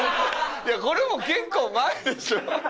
いやこれも結構前でしょ。